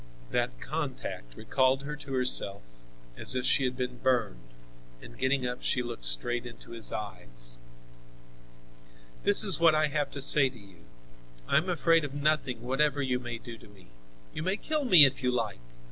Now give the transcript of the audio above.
That contact recalled her to herself, as if she had been burned, and getting up, she looked straight into his eyes. "This is what I have to say to you. I am afraid of nothing, whatever you may do to me. You may kill me if you like.